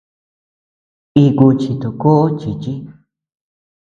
Iku chitokoʼo chichí.